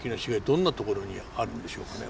どんなところにあるんでしょうかね。